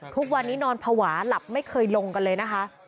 ทุกวันนี้นอนภาวะหลับไม่เคยลงกันเลยนะคะ